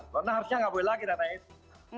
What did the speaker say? karena harusnya nggak boleh lagi tanya tanya itu